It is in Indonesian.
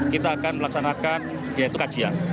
kita akan melaksanakan kajian